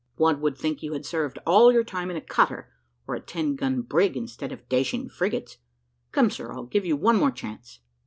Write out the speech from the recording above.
One would think you had served all your time in a cutter, or a ten gun brig, instead of dashing frigates. Come, sir, I'll give you one more chance."